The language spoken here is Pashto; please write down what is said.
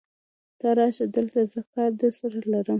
ته راشه دلته، زه کار درسره لرم.